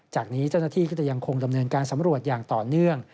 จากนี้เจ้าหน้าที่ก็จะยังคงดำเนินการสำรวจอย่างต่อเนื่อง